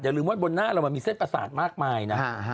ลืมว่าบนหน้าเรามันมีเส้นประสาทมากมายนะ